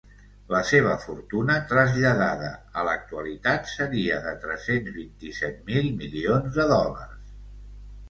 La seva fortuna traslladada a l’actualitat seria de tres-cents vint-i-set mil milions de dòlars.